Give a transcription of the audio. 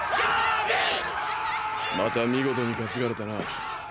また見事に担がれたな。